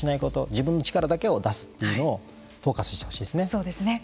自分の力だけを出すということをフォーカスしてほしいですね。